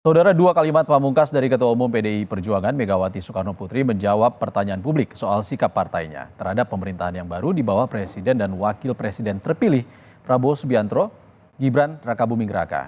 saudara dua kalimat pamungkas dari ketua umum pdi perjuangan megawati soekarno putri menjawab pertanyaan publik soal sikap partainya terhadap pemerintahan yang baru di bawah presiden dan wakil presiden terpilih prabowo subianto gibran raka buming raka